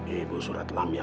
ibu surat alhamdulillah